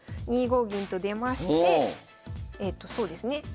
２五銀と出ましてえとそうですね